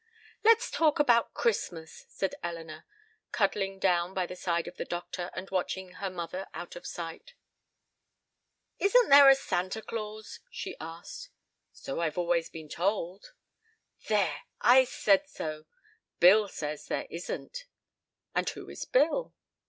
"Let's talk about Christmas," said Elinor, cuddling down by the side of the doctor, after watching her mother out of sight. "Isn't there a Santa Claus?" she asked. "So I have always been told." "There, I said so; Bill says there isn't." "And who is Bill?"